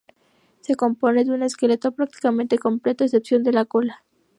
Se compone de un esqueleto prácticamente completo a excepción de la cola.